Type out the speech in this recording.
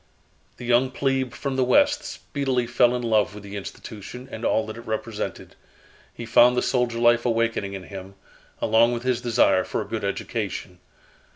The young plebe from the West speedily fell in love with the institution and all that it represented. He found the soldier life awakening in him, along with his desire for a good education.